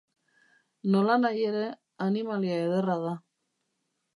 Nolanahi ere, animalia ederra da.